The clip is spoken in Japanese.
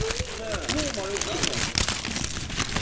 もう迷ってるじゃん。